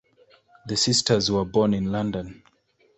The sisters were born in London.